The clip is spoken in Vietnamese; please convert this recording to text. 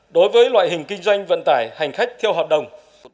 đối với loại hình kinh doanh vận tải hành khách theo hợp đồng